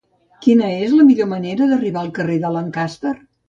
Quina és la millor manera d'arribar al carrer de Lancaster?